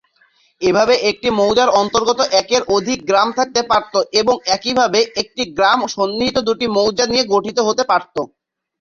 এভাবে একটি মৌজার অন্তর্গত একের অধিক গ্রাম থাকতে পারত এবং একইভাবে, একটি গ্রাম সন্নিহিত দুটি মৌজা নিয়ে গঠিত হতে পারত।